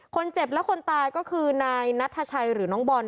คนเจ็บและคนตายก็คือนายนัทชัยหรือน้องบอล